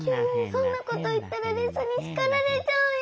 そんなこと言ったらレスにしかられちゃうよ！